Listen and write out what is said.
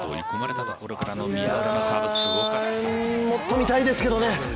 もっと見たいですけどね